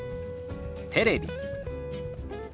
「テレビ」。